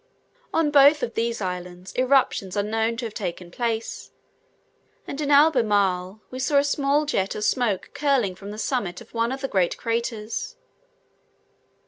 On both of these islands, eruptions are known to have taken place; and in Albemarle, we saw a small jet of smoke curling from the summit of one of the great craters.